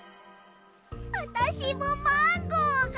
あたしもマンゴーが。